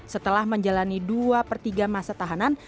setelah menjalani dua per tiga masa tahanan